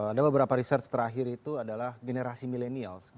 ada beberapa research terakhir itu adalah generasi milenials